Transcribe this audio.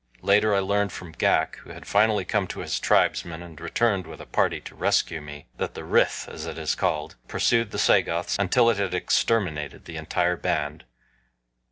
Later I learned from Ghak, who had finally come to his tribesmen and returned with a party to rescue me, that the ryth, as it is called, pursued the Sagoths until it had exterminated the entire band.